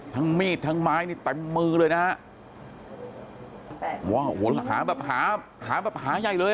มีดทั้งไม้นี่เต็มมือเลยนะฮะว่าวนหาแบบหาหาแบบหาใหญ่เลย